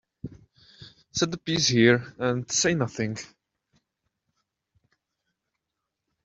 Set the piece here and say nothing.